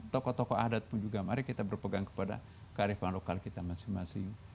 tokoh tokoh adat pun juga mari kita berpegang kepada kearifan lokal kita masing masing